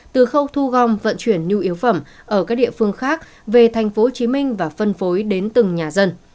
từ khâu thu gom vận chuyển nhu yếu phẩm ở các địa phương khác về tp hcm và phân phối đến từng nhà dân